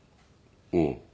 うん。